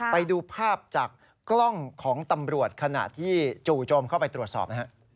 ไปดูภาพจากกล้องของตำรวจขณะที่จู่โจมเข้าไปตรวจสอบนะฮะ